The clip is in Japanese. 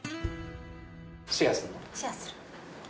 シェアする。